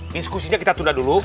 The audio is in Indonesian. diskusinya kita tunda dulu